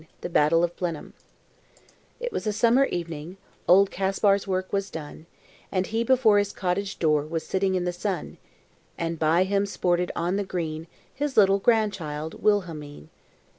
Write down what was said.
STAHL THE BATTLE OF BLENHEIM It was a summer evening, Old Kaspar's work was done, And he before his cottage door Was sitting in the sun, And by him sported on the green His little grandchild Wilhelmine.